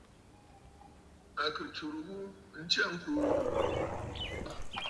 À kɨ tsurə ghu ntsya ŋkuu.